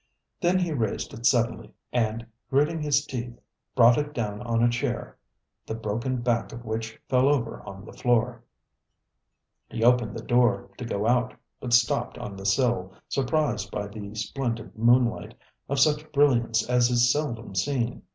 Then he raised it suddenly and, gritting his teeth, brought it down on a chair, the broken back of which fell over on the floor. He opened the door to go out, but stopped on the sill, surprised by the splendid moonlight, of such brilliance as is seldom seen.